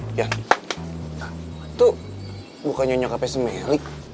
eh jan itu bukannya nyokapnya semelik